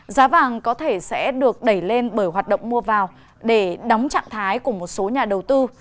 giá vàng có thể sẽ được đẩy lên bởi hoạt động mua vào để đóng trạng thái của một số nhà đầu tư